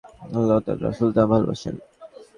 আল্লাহ ও তাঁর রাসূল তা ভালবাসেন।